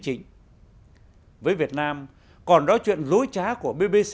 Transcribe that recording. chỉnh với việt nam còn đối chuyện lối trá của bbc về blogger nguyễn văn hải điếu cày bị mất một